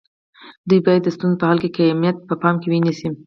دوی باید د ستونزو په حل کې قیمت په پام کې ونیسي.